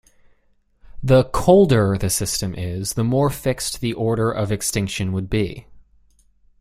The 'colder' the system is, the more fixed the order of extinction would be.